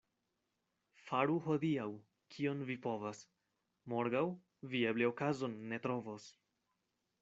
Faru hodiaŭ, kion vi povas — morgaŭ vi eble okazon ne trovos.